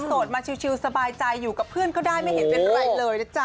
โดดมาชิลสบายใจอยู่กับเพื่อนก็ได้ไม่เห็นเป็นไรเลยนะจ๊ะ